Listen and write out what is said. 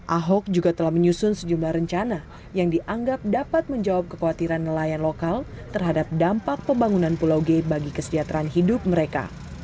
ahok juga telah menyusun sejumlah rencana yang dianggap dapat menjawab kekhawatiran nelayan lokal terhadap dampak pembangunan pulau g bagi kesejahteraan hidup mereka